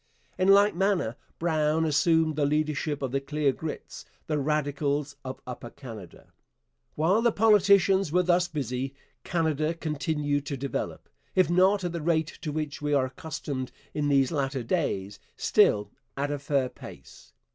In like manner Brown assumed the leadership of the Clear Grits, the Radicals of Upper Canada. While the politicians were thus busy, Canada continued to develop, if not at the rate to which we are accustomed in these later days, still at a fair pace.